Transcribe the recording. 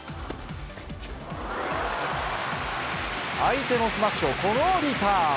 相手のスマッシュを、このリターン。